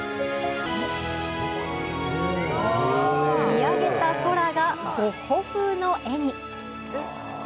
見上げた空がゴッホ風の絵に。